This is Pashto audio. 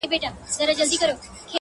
• بوډا کیسې په دې قلا کي د وختونو کوي,